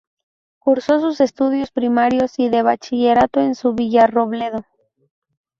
Cursó sus estudios primarios y de Bachillerato en su Villarrobledo.